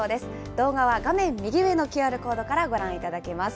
動画は画面右上のＱＲコードからご覧いただけます。